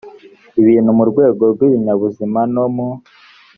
ibintu mu rwego rw ibinyabuzima no mu